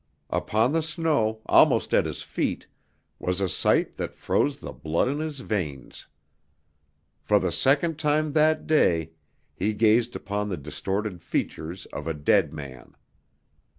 Upon the snow, almost at his feet, was a sight that froze the blood in his veins. For the second time that day he gazed upon the distorted features of a dead man.